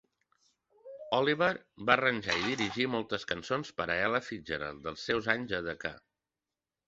Oliver va arranjar i dirigir moltes cançons per a Ella Fitzgerald dels seus anys a Decca.